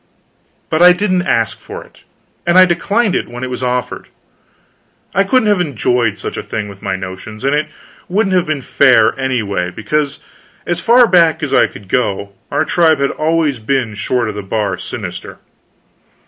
But I didn't ask for it; and I declined it when it was offered. I couldn't have enjoyed such a thing with my notions; and it wouldn't have been fair, anyway, because as far back as I could go, our tribe had always been short of the bar sinister.